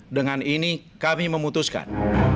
dengan ini kami memutuskan